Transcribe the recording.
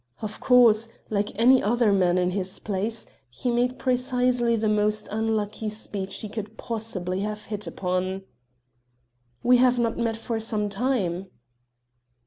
Of course like any other man in his place he made precisely the most unlucky speech he could possibly have hit upon: "We have not met for some time."